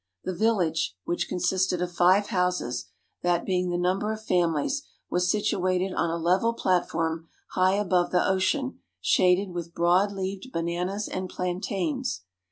The village, which consisted of five houses, that being the number of families, was situated on a level platform high above the ocean, shaded with broad leaved bananas and plantains.